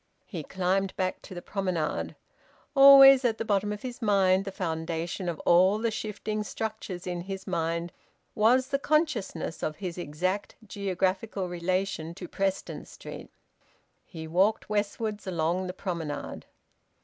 He climbed back to the promenade. Always at the bottom of his mind, the foundation of all the shifting structures in his mind, was the consciousness of his exact geographical relation to Preston Street. He walked westwards along the promenade.